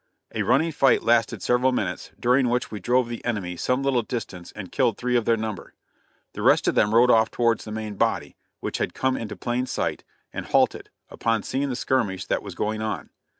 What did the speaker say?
A running fight lasted several minutes, during which we drove the enemy some little distance and killed three of their number. The rest of them rode off towards the main body, which had come into plain sight, and halted, upon seeing the skirmish that was going on.